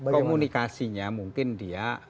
komunikasinya mungkin dia